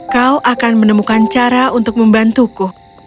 kau akan menemukan cara untuk membantuku